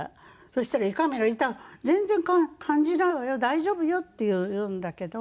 そしたら「胃カメラ全然感じないわよ大丈夫よ」って言うんだけど。